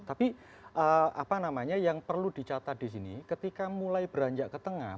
tapi apa namanya yang perlu dicatat di sini ketika mulai beranjak ke tengah